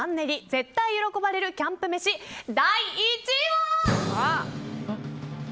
絶対喜ばれるキャンプ飯第１位は。